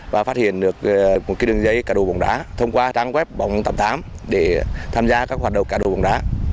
và phát hiện được một đường dây cả đồ bóng đá thông qua trang web bóng tạm tám để tham gia các hoạt động cả đồ bóng đá